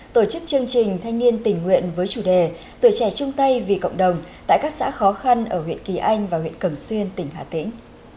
tổ chức chương trình thanh niên tình nguyện với chủ đề tuổi trẻ trung tây vì cộng đồng tại các xã khó khăn ở huyện kỳ anh và huyện cẩm xuyên tỉnh hà tĩnh